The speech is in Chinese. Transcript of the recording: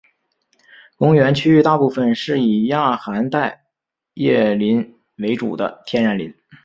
公园区域大部分是以亚寒带针叶林为主的天然林。